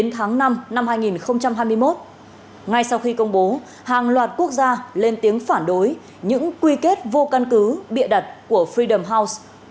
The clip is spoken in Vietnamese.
ngay sau khi công bố hàng loạt quốc gia lên tiếng phản đối những quy kết vô căn cứ bịa đặt của freedom house